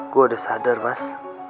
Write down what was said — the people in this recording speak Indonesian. gua udah sadar mas